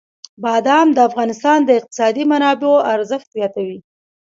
بادام د افغانستان د اقتصادي منابعو ارزښت زیاتوي.